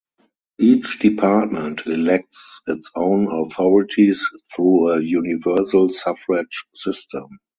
Each department elects its own authorities through a universal suffrage system.